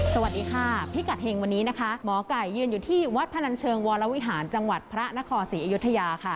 สวัสดีค่ะพิกัดเห็งวันนี้นะคะหมอไก่ยืนอยู่ที่วัดพนันเชิงวรวิหารจังหวัดพระนครศรีอยุธยาค่ะ